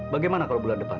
bagaimana kalau bulan depan